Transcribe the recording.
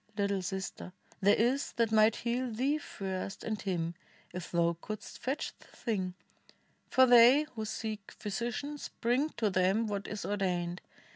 little sister, there is that might heal Thee first, and him, if thou couldst fetch the thing; For they who seek physicians bring to them What is ordained.